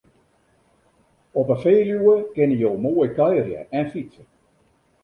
Op 'e Feluwe kinne jo moai kuierje en fytse.